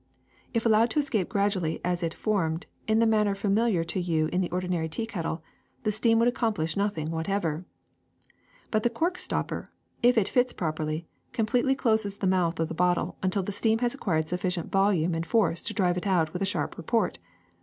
If allowed to es cape gradually as it formed, in the manner familiar to you in the ordinary tea kettle, the steam would accomplish nothing whatever. *^But the corkstopper, if it fits properly, com pletely closes the mouth of the bottle until the steam has acquired sufficient volume and force to drive it out with a sharp report.